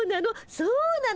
そうなの？